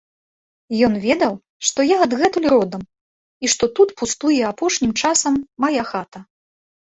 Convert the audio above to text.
Ён ведаў, што я адгэтуль родам і што тут пустуе апошнім часам мая хата.